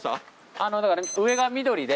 あのだから上が緑で。